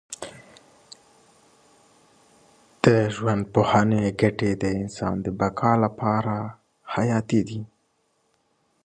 د ژوندپوهنې ګټې د انسان د بقا لپاره حیاتي دي.